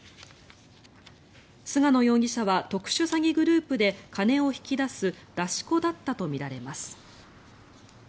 菅野容疑者は特殊詐欺グループで金を引き出す出し子だったとみられます。